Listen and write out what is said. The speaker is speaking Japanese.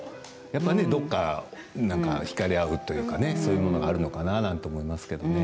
やっぱりどこかひかれ合うというかそういうものがあるのかなと思いますけれどね。